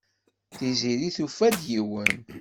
Tiziri tufa-d yiwen.